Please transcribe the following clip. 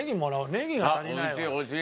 ネギが足りないわ。